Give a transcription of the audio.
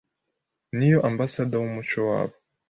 niyo Ambasador w’umuco wabo